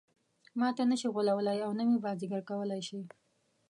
ماته نه شي غولولای او نه مې بازيګر کولای شي.